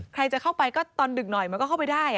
ใครจะเข้าไปก็ตอนดึกหน่อยมันก็เข้าไปได้